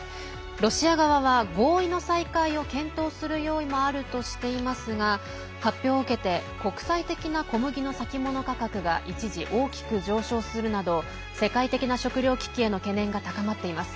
ロシア側は合意の再開を検討する用意もあるとしていますが発表を受けて国際的な小麦の先物価格が一時、大きく上昇するなど世界的な食料危機への懸念が高まっています。